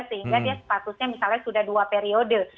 sehingga dia statusnya misalnya sudah dua periode